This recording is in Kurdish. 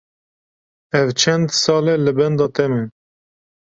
Ev çend sal e li benda te me.